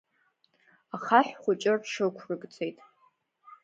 Ахаҳә хәыҷы рҽықәыркӡеит.